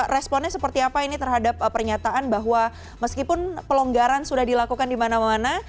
responnya seperti apa ini terhadap pernyataan bahwa meskipun pelonggaran sudah dilakukan di mana mana